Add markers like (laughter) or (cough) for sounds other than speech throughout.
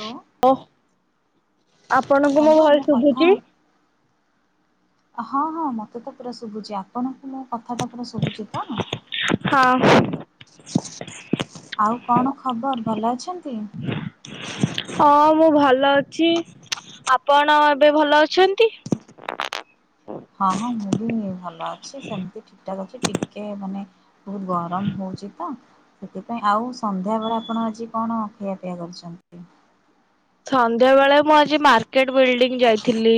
Hello. ଓ ଆପଣଙ୍କୁ ମୋ ହ୍ୟାଲୋ ଭଏସ କଥା ଶୁଭୁଛି? ହଁ ହଁ ମୋତେ ତ ପୁରା ଶୁଭୁଛି ଆପଣଙ୍କୁ ମୋ କଥାଟା ପୁରା ଶୁଭୁଛି ତ? ହଁ। ଆଉ କଣ ଖବର ଭଲ ଅଛନ୍ତି? ହଁ ମୁଁ ଭଲ ଅଛି ଆପଣ ଏବେ ଭଲ ଅଛନ୍ତି? ହଁ ହଁ ମୁଁ ବି ଭଲ ଅଛି ସେମିତି ଠିକ ଠାକ୍ ଅଛି ଟିକେ ମାନେ ବହୁତ ଗରମ ହଉଚ ତ। ସେଥିପାଇଁ ଆଉ ସନ୍ଧ୍ୟା ବେଳେ ଆପଣ ଆଜି କଣ ଖିଆ ପିଆ କରିୁଛନ୍ତି? ସନ୍ଧ୍ୟା ବେଳେ ମୁଁ ଆଜି ମାର୍କେଟ ବିଲ୍ଡିଂ ଯାଇଥିଲି।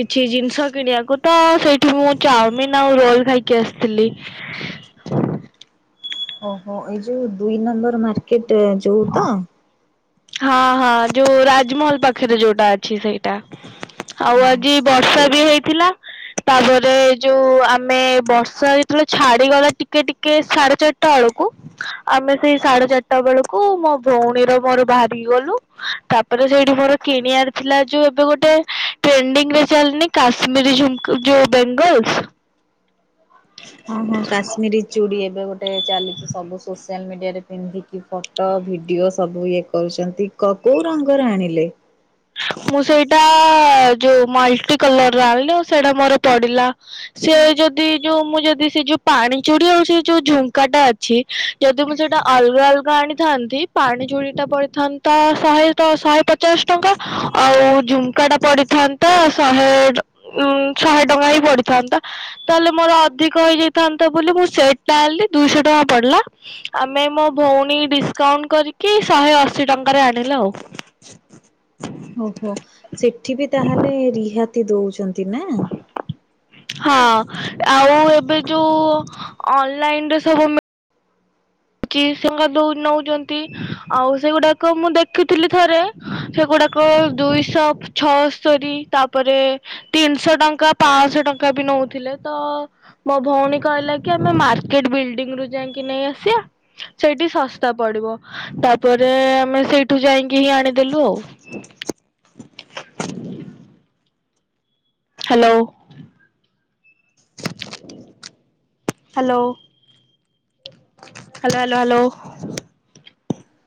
କିଛି ଜିନିଷ କିଣିବାକୁ ତ ସେଇଠି ମୁଁ ଚାଉମିିନ ଆଉ ରୋଲ ଖାଇକି ଆସିଥିଲି। ହ (inaudible) ଓହୋ ଏଇ ଯୋଉ ଦୁଇ ନମ୍ବର ମାର୍କେଟ ଯୋଉ ତ। ହଁ ହଁ ଯୋଉ ରାଜମହଲ ପାଖରେ ଯୋଉଟା ଅଛି ସେଇଟା। ଆଉ ଓହୋ। ଆଜି ବର୍ଷା ସେଇ ବି ହେଇଥିଲା। ତାପରେ ଯୋଉ ଆମେ ବର୍ଷା ଯେତେବେଳେ ଛାଡ଼ିଗଲା ଟିକେ ଟିକେ ସାଢେ ଚାରି ଟା ବେଳକୁ, ଆମେ ସେଇ ସାଢେ ଚାରିଟା ବେଳକୁ କୁ ମୋ ଭଉଣୀର ମୋର ବାହାରି ଗଲୁ। ତାପରେ ସେଇଠି ମୋର କିଣିଆର ଥିଲା ଯୋଉ ଏବେ ଗୋଟେ ଟ୍ରେଣ୍ଡିଂ ରେ ଚାଲିନି କାଶ୍ମୀର ଝୁମ୍ କୁ ଯୋଉ ବେଙ୍ଗଲ୍। ହଁ ହଁ କାଶ୍ମୀରୀ ଚୁଡ଼ି ଏବେ ଗୋଟେ ଚାଲିଛି, ସବୁ ସୋସିଆଲ ମିଡ଼ିଆରେ ପିନ୍ଧିକି ଫଟୋ, ଭିଡ଼ିଓ ସବୁ ଇଏ କରୁଛନ୍ତି। କ କୋଉ ରଙ୍ଗର ଆଣିଲେ? ମୁଁ ସେଇଟା ଯୋଉ ମଲ୍ଟି କଲର ର ଆଣିଲି। ଆଉ ସେଇଟା ମୋର ପଡିଲା ସେ ଯଦି ଯୋଉ ମୁଁ ଯଦି ସେ ଯୋଉ ପାଣି ଚୁଡି ଆଉ ସେ ଯୋଉ ଝୁମ୍କାଟା ଅ ଛି। ଯଦି ମୁଁ ସେଟା ଅଲଗା ଅଲଗା ଆଣିଥାନ୍ତି ପାଣି ଚୁଡିଟା ପଡିଥା ତ ଶହେ ତ ଶହେ ପଚାଶ ଟଙ୍କା। ଆଉ ଝୁମ୍ କା ଟା ପଡିଥାନ୍ତା ଶହେ ଉଁ ଶହେ ଟଙ୍କା ହିଁ ପଡିଥାନ୍ତା। ତାହେଲେ ମୋର ଅଧିକ ହେଇ ଯାଇଥାନ୍ତା ବୋଲି, ମୁଁ ସେଟ୍ ଟା ଆଣିଲି ଦୁଇଶହ ଟଙ୍କା ପଡିଲା। ଆମେ ମୋ ଭଉଣୀ ଡିସକାଉଣ୍ଟ କରିକି ଶହେ ଅଶୀ ଟଙ୍କାରେ ଆଣିଲେ ଆଉ। (inaudible) ଓହୋଃ, ସେଠି ବି ତାହେଲେ ରିହାତି ଦଉଛନ୍ତି ନା? ହଁ, ଆଉ ଏବେ ଯୋଉ ଅନଲାଇନ୍ ରେ ସବୁ ଚି ସେଙ୍ଗା ଦଉ ନଉଚନ୍ତି ଆଉ ସେଗୁଡାକ ମୁଁ ଦେଖିଥିଲି ଥରେ ସେଗୁଡାକ ଦୁଇଶହ ଛଅସ୍ତରୀ ତାପରେ ତିନିଶହ ଟଙ୍କା, ପାଆଁଶହ ଟଙ୍କା ବି ନଉଥିଲେ। ତ ମୋ ଭଉଣୀ କହିଲା କି ଆମେ ମାର୍କେଟ ବିଲ୍ଡିଂ ରୁ ଯାଇକି ନେଇ ଆସିବା। ସେଇଠି ଶସ୍ତା ପଡ଼ିବ। ତାପରେ ଆମେ ସେଇଠୁ ଯାଇକି ହିଁ ଆଣିଦେଲୁ ଆଉ। Hello. Hello. Hello, hello, hello.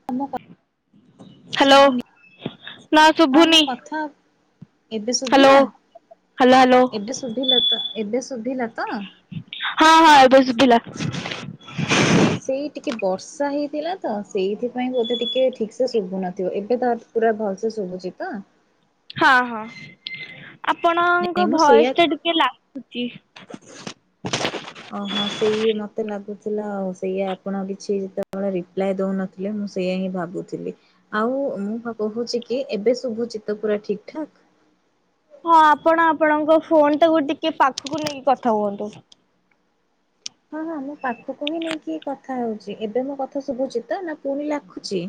(unintelligible) କଥା ହାଲୋ ଶୁଭୁନି ନାଁ ହଁ ମୋ ଶଭୁନି। କଥା ଏବେ ହାଲୋ, ହାଲୋ ହାଲୋ। ଧିଲ ତ ଏବେ ଶୁଭିଲା ତ? ହଁ ହଁ ଏବେ ଶୁଭିଲା। ନାଇଁ ସେଇ ଟିକେ ବର୍ଷା ହେଇଥିଲା ତ। ସେଇଥିପାଇଁ ବୋଧେ ଟିକେ ଠିକ୍ ସେ ଶୁଭୁ ନଥିବ। ଏବେ ତ ପୁରା ଭଲ୍ ସେ ଶୁଭୁଛି ତ? ହଁ ହଁ। ନାଇଁ ଆପଣଙ୍କ ମୁଁ ସେଇଆ ଭୟସ୍ ଟା ଟିକେ ଲାଖୁଚି। ଓହୋଃ, ସେଇ ମତେ ଲାଗୁଥିଲା ଆଉ ସେଇଆ ଆପଣ କିଛି ଯେତେବେଳେ ରିପ୍ଲାଏ ଦଉନ ଥିଲେ ମୁଁ ସେଇଆ ହିଁ ଭାବୁଥିଲି। ଆଉ ମୁଁ ପା କହୁଛି କି ଏବେ ଶୁଭୁଚି ତ ପୁରା ଠିକ୍ ଠାକ୍? ହଁ, ଆପଣ ଆପଣଙ୍କ ଫୋନ୍ ଟାକୁ ଟିକେ ପାଖକୁ ନେଇକି କଥା ହୁଅନ୍ତୁ। ହଁ ହଁ ମୁଁ ପାଖକୁ ହିଁ ନେଇକି କଥା ହଉଚି। ଏବେ ମୋ କଥା ଶୁଭୁଛି ତ ନା ପୁଣି ଲାଖୁଛି?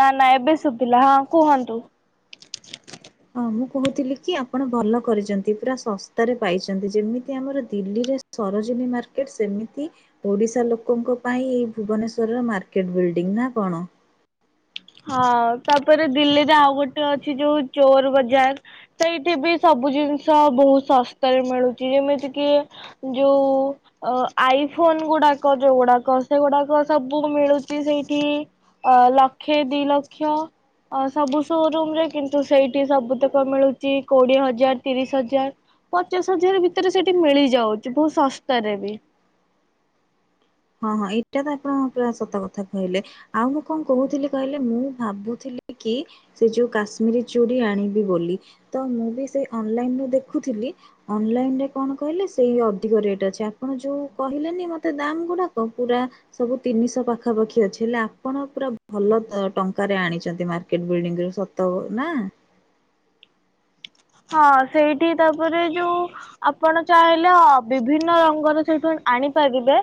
ନା ନା ଏବେ ଶୁଭିଲା ହଁ କୁହନ୍ତୁ। ହଁ, ମୁଁ କହୁଥିଲି କି ଆପଣ ଭଲ କରିଛନ୍ତି ପୁରା ଶସ୍ତାରେ ପାଇଛନ୍ତି। ଯେମିତି ଆମର ଦିଲ୍ଲୀରେ ସରୋଜିନୀ ମାର୍କେଟ ସେମିତି ଓଡ଼ିଶା ଲୋକଙ୍କ ପାଇଁ ଏଇ ଭୁବନେଶ୍ଵରର ମାର୍କେଟ ବିଲ୍ଡିଂ ନା କଣ? ହଁ, ତାପରେ ଦିଲ୍ଲୀରେ ଆଉ ଗୋଟେ ଅଛି ଯୋଉ ଚୋର୍ ବଜାର। ସେଇଠି ବି ସବୁ ଜିନିଷ ବହୁତ ଶସ୍ତାରେ ମିଳୁଚି ଯେମିତି କି ଯୋଉ ଅ ଆଇ ଫୋନ୍ ଗୁଡାକ ଯୋଉଗୁଡାକ ସେଗୁଡାକ ସବୁ ମିଳୁଚି ସେଇଠି ଅ ଲକ୍ଷେ ଦିଇ ଲକ୍ଷ ଅ ସବୁ ସୋରୁମ୍ ରେ କିନ୍ତୁ ସେଇଠି ସବୁତକ ମିଳୁଛି କୋଡିଏ ହଜାର୍ ତିରିଶ୍ ହଜାର୍। ପଚାଶ୍ ହଜାରେ ଭିତରେ ସେଠି ମିଳିଯାଉଚି ଭୋଉ ଶସ୍ତାରେ ବି ହଁ ହଁ ଏଇଟା ତ ଆପଣ ପୁରା ସତ କଥା କହିଲେ। ଆଉ ମୁଁ କଅଁ କୋହୁଥିଲି କହିଲେ ମୁଁ ଭାବୁଥିଲି କି ସେ ଯୋଉ କାଶ୍ମୀରୀ ଚୁଡି ଆଣିବି ବୋଲି ତ ମୁଁ ବି ସେଇ ଅଂନ୍ଲାଇନ ରୁୁ ଦେଖୁଥିଲି। ଅଂନ୍ଲାଇନେ ରେ କଣ କହିଲେ ସେଇ ଅଧିକ ରେଟ୍ ଅଛି ଆପଣ ଯୋଉ କହିଲେନି ମତେ ଦାମ୍ ଗୁଡା କ ପୁରା ସବୁ ତିନିଶହ ପାଖାପାଖି ଅଛି ହେଲେ ଆପଣ ପୁରା ଭଲ ତ ଟଙ୍କାରେ ଆଣିଛନ୍ତି ମାର୍କେଟ୍ ବିଲ୍ଡିଂ ରୁ ସତ୍ ତୋ ନାଁ। ହଁ ସେଇଠି ତାପରେ ଯୋଉ ଆପଣ ଚାହିଁଲେ ଅ ବିଭିନ୍ନ ରଙ୍ଗର ସେଠୁ ଆଣିପାରିବେ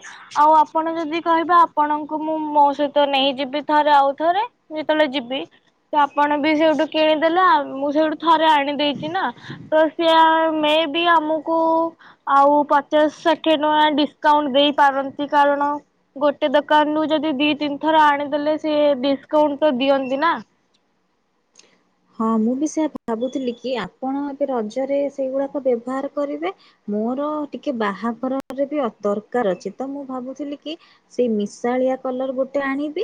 ଆଉ ଆପଣ ଯେଦି କହିବେ ଆପଣଙ୍କୁ ମୁଁ ମୋ ସହିତ ନେଇଯିବି ଥରେ, ଆଉ ଥରେ ଯେତେବେଳେ ଯିବି ତ ଆପଣ ବି ସେଇଠୁ କିଣିଦେଲେ ଆଉ ମୁଁ ସେଇଠୁ ଥରେ ଆଣିଦେଇ ଚିନା ତ ସିଆ ମେ ବି ଆମୁକୁ ଆଉ ପଚାଶ୍ ଷାଠିଏ ଟଙ୍କା ଡିସ୍କାଉଣ୍ତ ଦେଇ ପାରନ୍ତି କାରଣ ଗୋଟେ ଦୋକାନ୍ ରୁୁ ଯଦି ଦି ତିନ୍ ଥର ଆଣିଦେଲେ ସିଏ ଡିସ୍କାଉଣ୍ଟ ତ ଦିଅନ୍ତି ନା। ହଁ ମୁଁ ବି ସେୟା ଭାବୁଥିଲି କି ଆପଣ ଏବେ ରଜରେ ସେଇଗୁଡାକ ବ୍ୟବହାର କରିବେ ମୋର ଟିକେ ବାହାଘରରେ ବି ଅତ ଦରକାର୍ ଅଛି ତ ମୁଁ ଭାବୁଥିଲି କି ସେଇ ମିଶାଳିଆ କଲର୍ ଗୋଟେ ଆଣିବି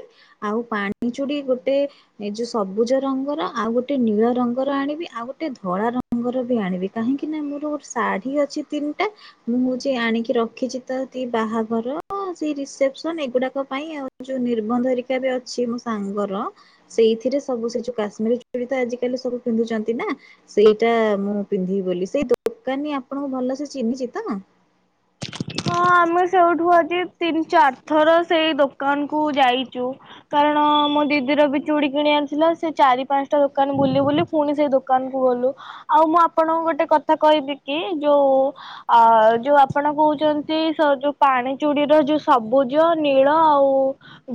ଆଉ ପାଣି ଚୁଡି ଗୋଟେ ଏ ଯୋଉ ସବୁଜ ରଙ୍ଗର ଆଉ ଗୋଟେ ନୀଳ ରଙ୍ଗର ଆଣିବି ଆଉ ଗୋଟେ ଧଳା ରଙ୍ଗର ବି ଆଣିବି କାହିଁକି ନା ମୋର ଗୋଟେ ଶାଢ଼ୀ ଅଛି ତିନ୍ଟା ମୁଁ ହୋଉଛି ଆଣିକି ରଖିଛି ତ ତି ବାହାଘର ହଁ ସେଇ ରିସେପସନ୍ ଏଗୁଡାକ ପାଇଁ ଆଉ ଯୋଉ ନିର୍ବନ୍ଧଘରିକା ରେ ଅଛି ମୋ ସାଙ୍ଗର ସେଇଥିରେ ସବୁ ସେ ଯୋଉ କାଶ୍ମୀର୍ ଚୁଡ଼ି ତ ଆଜିିକାଲି ସବୁ ପିନ୍ଧୁଚନ୍ତି ନା ସେଇଟା ମୁଁ ପିନ୍ଧିବି ବୋଲି ସେଇ ଦୋକାନୀ ଆପଣୁଙ୍କୁ ଭଲ ସେ ଚିହ୍ନିଚି ତ ହଁ ଆମେ ସେଉଠୁ ଆଜି ତିନ୍ ଚାର୍ ଥର ସେଇ ଦୋକାନ୍ କୁ ଯାଇଚୁ। କାରଣ ମୋ ଦିଦିର ବି ଚୁଡ଼ି କିଣିବାର ଥିଲା ସେ ଚାରି ପାନ୍ଟା ଦୋକାନ୍ ବୁଲି ବୁଲି ପୁଣି ସେଇ ଦୋକାନ୍ କୁ ଗଲୁ ଆଉ ମୁଁ ଆପଣଙ୍କୁ ଗୋଟେ କଥା କହିବି କି ଯୋଉ ଆ ଯୋଉ ଆପଣ କଉଚନ୍ତ ସେ ସ ଯୋଉ ପାଣି ଚୁଡିର ଯୋଉ ସବୁଜ ନୀଳ ଆଉ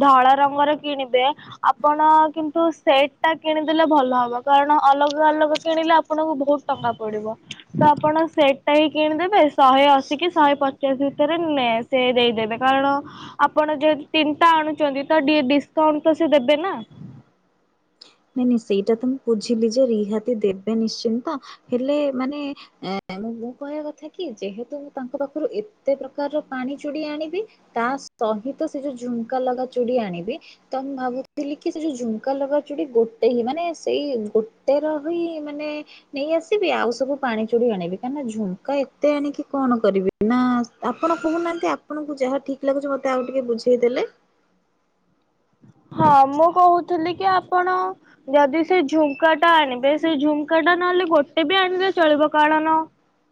ଧଳା ରଙ୍ଗର କିଣିବେ ଆପଣ କିନ୍ତୁ ସେଟ୍ ଟା କିଣିଦେଲେ ଭଲ ହବ କାରଣ ଅଲଗା ଅଲଗା କିଣିଲେ ଆପଣଙ୍କୁ ଭୋଉଟ୍ ଟଙ୍କା ପଡିବ ତ ଆପଣ ସେଟ୍ ହିଁ କିଣିଦେବେ ଶହେ ଅଶୀ କି ଶହେ ପଚ କେସ୍ ଭିତରେ ନେ ସେ ଦେଇଦେବେ କାରଣ ଆପଣ ଯେହେତୁ ତିନ୍ ଟା ଆଣୁଚନ୍ତି ତ ଡି ଡିସକାଉଣ୍ଟ ତ ସେ ଦେବେ ନା, ନାଇଁ ନାଇଁ ସେଇଟା ତ ମୁଁ ପୁଝିଲି ଯେ ରିହାତି ଦେବେ ନିଶ୍ଚିନ୍ତ ହେଲେ ମାନେ ଏଁ--ମୁଁ ମୁଁ କଇଆ କଥା କି ଯେହେତୁ ମୁଁ ତାଙ୍କ ପାଖୁରୁ ଏତେ ପ୍ରକାର୍ ର ପାଣି ଚୁଡି ଆଣିବି ତା ସହିତ ସେ ଯୋଉ ଝୁମ୍କା ଲଗା ଚୁଡ଼ି ଆଣିବି ତ ମୁଁ ଭାବୁଥିଲି କି ସେ ଯୋଉ ଝୁମ୍କା ଲଗା ଚୁଡି ଗୋଟେ ହି ମାନେ ସେଇ ଗୋଟେ ର ହିଁ ମାନେ ନେଇ ଆସିବି, ଆଉ ସବୁ ପାଣି ଚୁଡି ଆଣିବି କାଇଁନା ଜୁମ୍କା ଏତେ ଆଣିକି କଣ କରିବି। ନା ଆପଣ କୋହୁନାଆନ୍ତି, ଆପଣଙ୍କୁ ଯାହା ଠିକ୍ ଲାଗୁଛି ମତେ ଆଉ ଟିକେ ବୁଝେଇ ଦେଲେ। ହଁ ମୁଁ କୋହୁଥିଲି କି ଆପଣ ଯଦି ସେ ଝୁମ୍କା ଟା ଆଣିବେ ସେ ଝୁମ୍କା ଟା ନହେଲେ ଗୋଟେ ବି ଆଣିଲେ ଚଳିବ, କାଳନ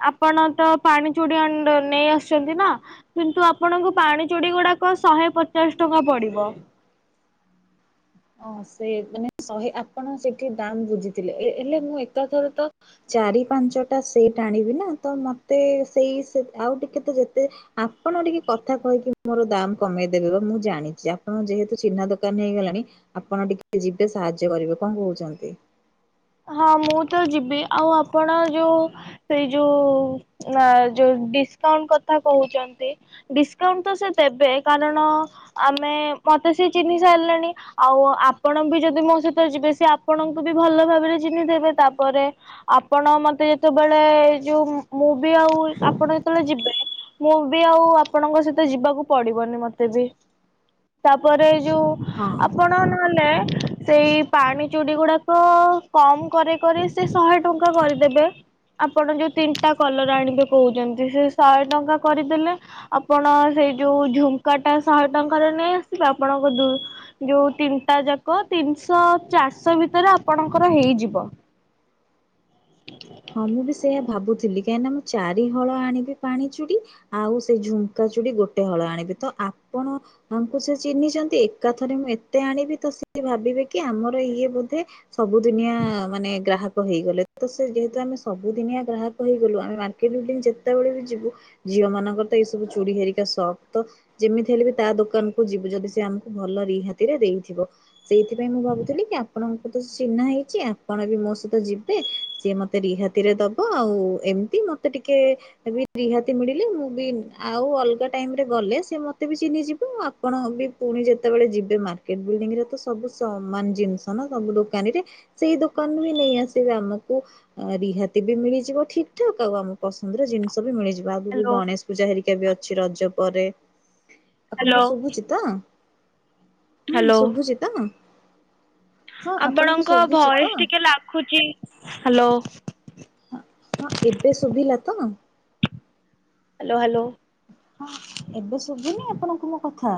ଆପଣ ତ ପାଣି ଚୁଡି ଆଣ୍ଡ ନେଇ ଆସିଛନ୍ତି ନା କିନ୍ତୁ ଆପଣଙ୍କୁ ପାଣି ଚୁଡି ଗୁଡାକ ଶହେ ପଚାଶ୍ ଟଙ୍କା ପଡିବ। ହଁ ସେ ମାନେ ଶହେ ଆପଣ ସେଠି ଦାମ୍ ବୁଝିଥିଲେ ଏ ଏଲେ ମୁଁ ଏକାଥରେ ତ ଚାରି ପାଞ୍ଚ ଟା ସେଟ୍ ଆଣିବି ନା ତ ମତେ ସେଇ ସେ ଆଉ ଟିକେ ତ ଯେତେ ଆପଣ ଟିକେ କଥା କହିକି ମୋର ଦାମ୍ କମେଇଦେବେ ବା ମୁଁ ଜାଣିଛି, ଆପଣ ଯେହେତୁ ଚିହ୍ନା ଦୋକାନୀ ହେଇଗଲାଣି ଆପଣ ଟିକେ ଯିବେ ସାହାଯ୍ୟ କରିବେ କଣ କହୁଛନ୍ତି? ହଁ ମୁଁ ତ ଯିବି, ଆଉ ଆପଣ ଯୋଉ ସେଇ ଯୋଉ ନା ଯୋ ଡିସକାଉଣ୍ଟ କଥା କହୁଚନ୍ତି ଡିସକାଉଣ୍ଟ ତ ସେ ଦେବେ, କାରଣ ଆମେ ମତେ ସେ ଚିହ୍ନି ସାରିଲେଣି। ଆଉ ଆପଣ ବି ଯଦି ମୋ ସହିତ ଯିବେ ସିଏ ଆପଣଙ୍କୁ ବି ଭଲ ଭାବରେ ଚିହ୍ନି ଦେବେ, ତାପରେ ଆପଣ ମତେ ଯେତେବେଳେ ଏଯୋଉ ମୁଁ ବି ଆଉ ଆପଣ ଯେତେବେଳେ ଯିବେ ମୁଁ ବି ଆଉ ଆପଣଙ୍କ ସହିତ ଯିବାକୁ ପଡିବନି, ମତେ ବି। ତାପରେ ଯୋଉ ହଁ। ଆପଣ ନହେଲେ ସେଇ ପାଣି ଚୁଡି ଗୁଡାକ କମ କରେଇ କରେଇ, ସେ ଶହେ ଟଙ୍କା କରିଦେବେ। ଆପଣ ଯୋଉ ତିନିଟା କଲର ଆଣିବେ କହୁଛନ୍ତି, ସେ ଶହେ ଟଙ୍କା କରିଦେଲେ ଆପଣ ସେଇ ଯୋଉ ଝୁମୁକାଟା ଶହେ ଟଙ୍କାର ନେଇ ଆସିବେ, ଆପଣଙ୍କ ଦୁ ଯୋଉ ତିନିଟା ଯାକ ତିନିଶ ଚାରିଶ ଭିତରେ ଆପଣଙ୍କର ହେଇଯିବ। ହଁ ମୁଁ ବି ସେଇଆ ଭାବୁଥିଲି କାହିଁକିନା ମୁଁ ଚାରି ହଳ ଆଣିବି ପାଣି ଚୁଡ଼ି ଆଉ ସେ ଝୁମୁକାଚୁଡି ଗୋଟେ ହଳ ଆଣିବିତ, ଆପଣ ଆମକୁ ସେ ଚିହ୍ନିଛନ୍ତି, ଏକାଥରେ ମୁଁ ଏତେ ଆଣିବିତ, ସିଏ ଭାବିବେ କି ଆମର ଇଏ ବୋଧେ ସବୁଦିନିଆ ମାନେ ଗ୍ରାହକ ହେଇଗଲେ, ତ ସେ ଯେତୁ ତ ଆମେ ସବୁଦିନିଆ ଗ୍ରାହକ ହେଇଗଲୁ, ଆମେ ମାର୍କେଟବିଡିଙ୍ଗ ଯେତେବେଳେ ବି ଯିବୁ ଝିଅ ମାନଙ୍କର ତ ଏଇ ସବୁ ଚୁଡ଼ି ହେରିକା ସକ ତ। ଯେମିତି ହେଲେ ବି ତା ଦୋକାନକୁୁ ଯିବୁ ଯଦି ସେ ଆମକୁ ଭଲ ରିହାତିରେ ଦେଇଥିବ। ସେଇଥିପାଇଁ ମୁଁ ଭାବୁଥିଲିକି ଆପଣଙ୍କ ତ ଚିହ୍ନା ହେଇଛି ଆପଣ ବି ମୋ ସହିତ ଯିବେ, ସିଏ ମତେ ରିହାତିରେ ଦବ, ଆଉ ଏମିତି ମତେ ଟିକେ ରିହାତି ମିଳିଲେ ମୁଁ ବି ଆଉ ଅଲଗା ଟାଇମରେ ଗଲେ ସେ ମତେ ବି ଚିହ୍ନି ଯିବ, ଆ ଆପଣ ବି ପୁଣି ଯେତେବେଳେ ଯିବେ ମାର୍କେଟ, ବିଲଡିଂରେ ତ ସବୁ ସମାନ ଜିନିଷ ନା ସବୁ ଦୋକାନୀରେ। ସେଇ ଦୋକାନରୁୁ ହି ନେଇ ଆସିବେ, ଆମକୁ ରିହାତି ବି ମିଳିଯିବ ଠିକଠାକ, ଆଉ ଆମ ପସନ୍ଦର ଜିନିଷ ବି ମିଳିଯିବ, ଆଗକୁ ହ୍ୟାଲୋ ଗଣେଶ ପୂଜା ହେରିକା ବି ଅଛି ରଜ ପରେ, ଆପଣଙ୍କୁ ଶୁଭୁଛି ତ? ହୁଁ ହ୍ୟାଲୋ ଶୁଭୁଚିତ। ଆପଣଙ୍କ ଭଏସ ଟିକେ ଲାଖୁଛି, ହାଲୋ। ହଁ ଏବେ ଶୁଭିଲାତ। Hello hello. ହଁ ଏବେ ଶୁବୁନି ଆପଣଙ୍କୁ ମୋ କଥା।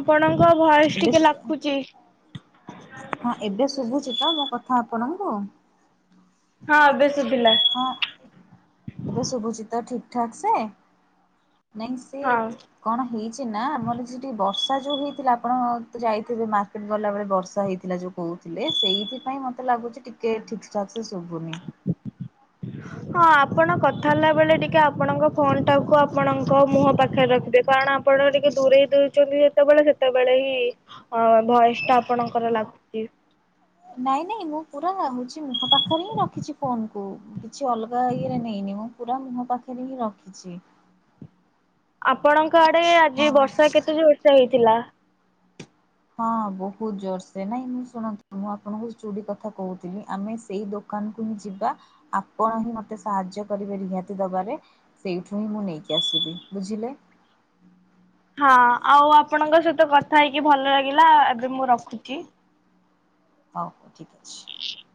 ଆପଣଙ୍କ ଭଏସ ଏବେ ଟିକେ ଲାଖୁଛି। ହଁ ଏବେ ଶୁଭୁଛି ତ ମୋ କଥା ଆପଣଙ୍କୁ। ହଁ ଏବେ ଶୁଭିଲା। ହଁ। ଏବେ ଶୁଭୁଚିତ ଠିକଠାକସେ, ନାଇଁ ସେ ହଁ କଣ ହେଇଛି ନା ଆମର ସେଟି ବର୍ଷା ଯୋଉ ହେଇଥିଲା, ଆପଣ ଯାଇଥିବେ ମାର୍କେଟ ଗଲାବେଳେ ବର୍ଷା ହେଇଥିଲା ଯୋଉ କହୁଥିଲେ, ସେଇଥିପାଇଁ ମତେ ଲାଗୁଛି ଟିକେ ଠିକଠାକ୍ ସେ ଶୁଭୁନି। (unintelligible) ହଁ ଆପଣ କଥା ହେଲା ବେଳେ, ଟିକେ ଆପଣଙ୍କ ଫୋନ ଟାକୁ ଆପଣଙ୍କ ମୁହଁ ପାଖରେ ରଖିବେ କାରଣ ଆପଣ ଟିକେ ଦୂରେଇ ଦଉଛନ୍ତି ଯେତେବେଳେ ସେତେବେଳେ ହିଁ-ଇ-ଇ ଅ-ଅ ଭୟସ୍ ଟା ଆପଣଙ୍କର ଲାଖ୍ ନାଇଁ ନାଇଁ ମୁଁ ପୁରା ହଉଛି ମୁହଁ ପାଖରେ ହିଁ ରଖିଛି ଫୋନ କୁ। କିଛି ଅଲଗା ଇଏରେ ନେଇନି ମୁଁ ପୁରା ମୁହଁ ପାଖରେ ହିଁ ରଖିଛି। ଆପଣଙ୍କ ଆଡେ ଆଜି ହଁ ବର୍ଷା କେତେ ଯୋରସେ ହେଇଥିଲା? ହଁ ବହୁତ୍ ଯୋରସେ, ନାଇଁ ମୁଁ ଶୁଣନ୍ତୁ ମୁଁ ଆପଣଙ୍କୁ ଚୁଡି କଥା କହୁଥିଲି ଆମେ ସେଇ ଦୋକ ଦୋକାନକୁ ହିଁ ଯିବା, ଆପଣ ହିଁ ମତେ ସାହାଯ୍ୟ କରିବେ ରିହାତି ଦବାରେ। ସେଇଠୁ ହିଁ ମୁଁ ନେଇକି ଆସିବି ବୁଝିଲେ? ହଁ ଆଉ ଆପଣଙ୍କ ସହିତ କଥା ହେଇକି ଭଲ ଲାଗିଲା, ଏବେ ମୁଁ ରଖୁଛି। ହଉ ଠିକ୍ ଅଛି। (unintelligible)